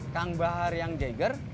kang bahar yang jagger